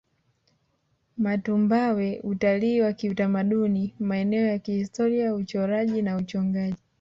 Matumbawe Utalii wa kiutamaduni maeneo ya kihistoria uchoraji na uchongaji